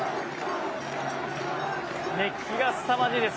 熱気がすさまじいです。